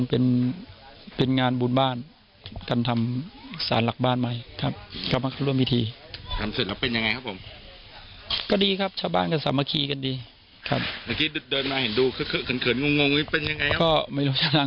เห็นที่นั่งมันเต็มแต่เห็นที่ว่างอยู่ตรงโน้นก็เลยเดินมาตรงโน้น